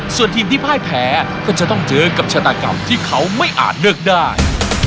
ส่วนทีมที่พ่ายแพ้ก็จะต้องเจอกับชะตากรรมที่เขาไม่อาจเลือกได้